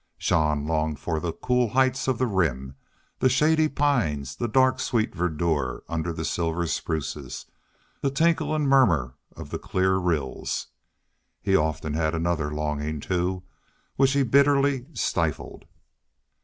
Jean longed for the cool heights of the Rim, the shady pines, the dark sweet verdure under the silver spruces, the tinkle and murmur of the clear rills. He often had another longing, too, which he bitterly stifled.